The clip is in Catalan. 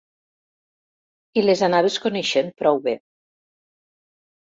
I les anaves coneixent prou bé.